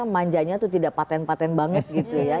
manjanya tuh tidak paten paten banget gitu ya